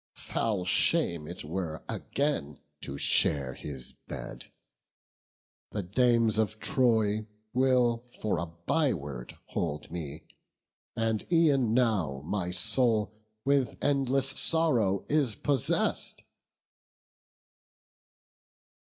foul shame it were Again to share his bed; the dames of Troy Will for a byword hold me; and e'en now My soul with endless sorrow is possess'd."